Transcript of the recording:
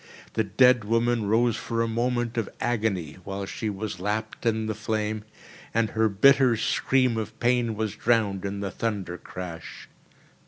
The dead woman rose for a moment of agony, while she was lapped in the flame, and her bitter scream of pain was drowned in the thundercrash.